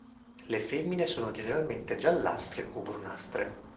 Le femmine sono generalmente giallastre o brunastre.